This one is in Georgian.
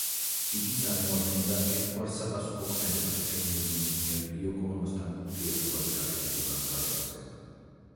იგი წარმოადგენდა ერთგვარ საპასუხო ქმედებას ჯონ ლენონის მიერ იოკო ონოსთან ურთიერთობაზე გაკეთებულ განცხადებებზე.